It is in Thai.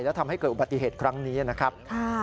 และทำให้เกิดอุบัติเหตุครั้งนี้นะครับ